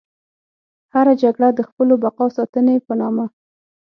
هره جګړه د خپلو بقا ساتنې په نامه.